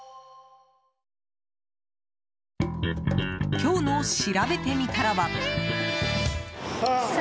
今日のしらべてみたらは。